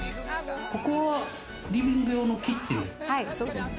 ここはリビング用のキッチン、そうです。